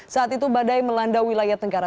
saat itu badai melanda wilayah tenggara